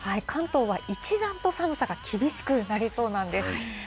関東は一段と寒さが厳しくなりそうなんです。